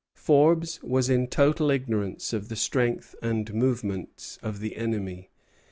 Forbes was in total ignorance of the strength and movements of the enemy.